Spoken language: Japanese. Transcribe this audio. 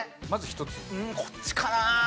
うんこっちかな？